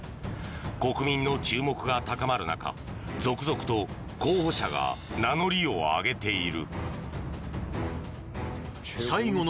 国民の注目が高まる中続々と候補者が名乗りを上げている。